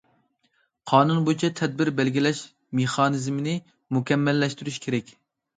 قانۇن بويىچە تەدبىر بەلگىلەش مېخانىزمىنى مۇكەممەللەشتۈرۈش كېرەك.